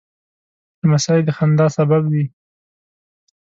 لمسی د خندا سبب وي.